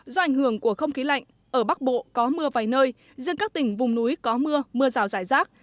do ảnh hưởng của không khí lạnh ở bắc bộ có mưa vài nơi riêng các tỉnh vùng núi có mưa mưa rào rải rác